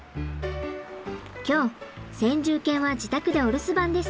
今日先住犬は自宅でお留守番です。